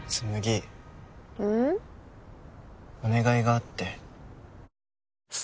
お願いがあって。